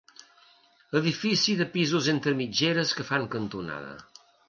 Edifici de pisos entre mitgeres, que fa cantonada.